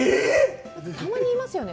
たまにいますよね。